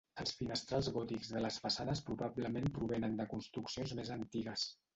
Els finestrals gòtics de les façanes probablement provenen de construccions més antigues.